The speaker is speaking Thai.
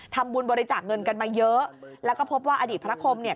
ทำบุญบริจาคเงินกันมาเยอะแล้วก็พบว่าอดีตพระคมเนี่ย